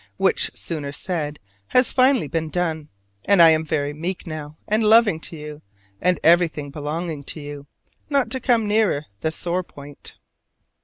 Which, sooner said, has finally been done; and I am very meek now and loving to you, and everything belonging to you not to come nearer the sore point.